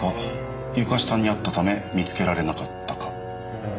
床下にあったため見つけられなかったか。